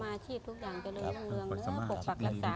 ประกอบสมาชิกทุกอย่างเจริญรุ่งเรือง